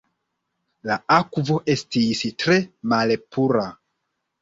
La akvo estis tre malpura.